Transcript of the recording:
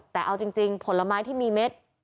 แต่เอาจริงผลไม้ที่มีเม็ด